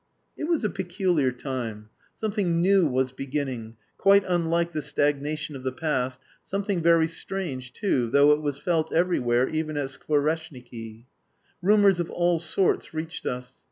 It was a peculiar time; something new was beginning, quite unlike the stagnation of the past, something very strange too, though it was felt everywhere, even at Skvoreshniki. Rumours of all sorts reached us.